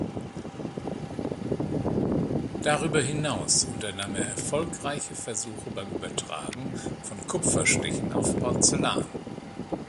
Darüber hinaus unternahm er erfolgreiche Versuche beim Übertragen von Kupferstichen auf Porzellan.